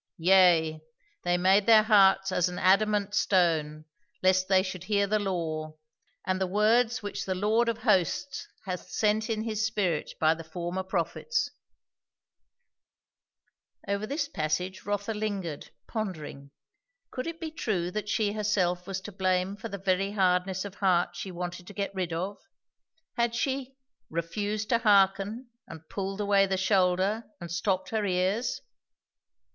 Yea, they made their hearts as an adamant stone, lest they should hear the law, and the words which the Lord of hosts hath sent in his spirit by the former prophets" Over this passage Rotha lingered, pondering. Could it be true that she herself was to blame for the very hardness of heart she wanted to get rid of? Had she "refused to hearken and pulled away the shoulder and stopped her ears"?